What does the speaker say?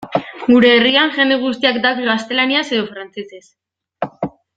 Gure herrian jende guztiak daki gaztelaniaz edo frantsesez.